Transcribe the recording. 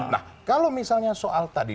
nah kalau misalnya soal tadi